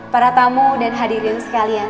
para tamu dan hadirin sekalian